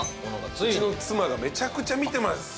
うちの妻がめちゃくちゃ見てました。